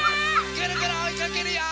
ぐるぐるおいかけるよ！